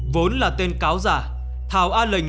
vốn là tên cáo giả thảo an lệnh